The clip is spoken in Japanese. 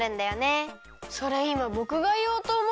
それいまぼくがいおうとおもったのに。